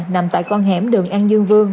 nằm tại con hẻm đường an dương vương